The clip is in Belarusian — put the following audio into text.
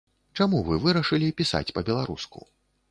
Чаму вы вырашылі пісаць па-беларуску?